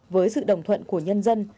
với sự đồng thuận của nhân dân